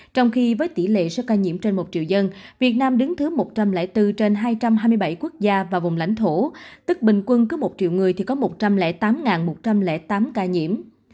trong khi với tỷ lệ số ca nhiễm trên một triệu dân việt nam đứng thứ một trăm linh bốn trên hai trăm hai mươi bảy quốc gia và vùng lãnh thổ tức bình quân cứ một triệu người thì có một trăm linh tám một trăm linh tám ca nhiễm